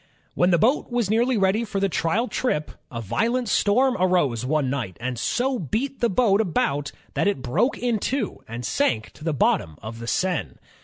When the boat was nearly ready for the trial trip, a violent storm arose one night, and so beat the boat about that it broke in two and sank to the bottom of the Seine.